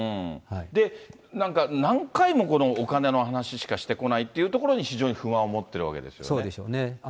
で、なんか何回もこのお金の話しかしてこないというところに非常に不そうでしょうね。